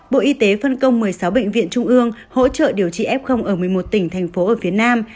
bộ y tế phân công một mươi sáu bệnh viện trung ương hỗ trợ điều trị f ở một mươi một tỉnh thành phố ở phía nam